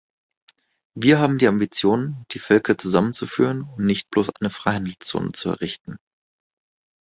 Wir haben die Ambition, die Völker zusammenzuführen und nicht bloß eine Freihandelszone zu errichten.